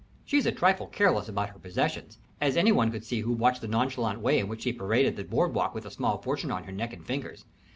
She's a trifle careless about her possessions, as any one could see who watched the nonchalant way in which she paraded the board walk with a small fortune on her neck and fingers.